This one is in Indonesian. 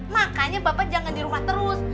makanya bapak jangan di rumah terus